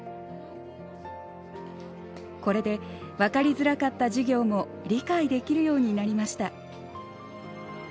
これで分かりづらかった授業も理解できるようになりました。